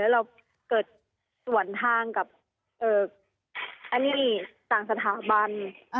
แล้วเราเกิดส่วนทางกับอันนี้ต่างสถาบัน